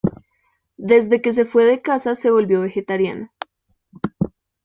Desde que se fue de casa se volvió vegetariano.